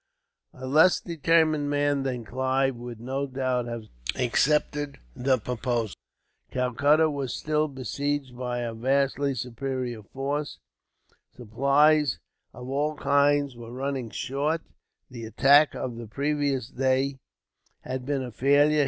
A less determined man than Clive would, no doubt, have accepted the proposal. Calcutta was still besieged by a vastly superior force, supplies of all kinds were running short, the attack of the previous day had been a failure.